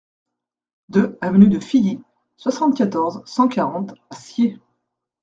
deux avenue de Filly, soixante-quatorze, cent quarante à Sciez